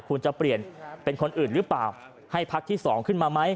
คุณจะเปลี่ยนเป็นคนอื่นหรือเปล่าให้พักที่๒ขึ้นมาไหม